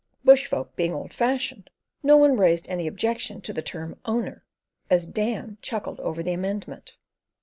Bush folk being old fashioned, no one raised any objection to the term "owner," as Dan chuckled over the amendment.